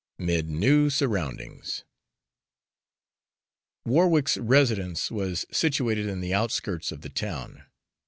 VII 'MID NEW SURROUNDINGS Warwick's residence was situated in the outskirts of the town.